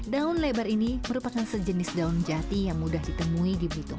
daun lebar ini merupakan sejenis daun jati yang mudah ditemui di bitung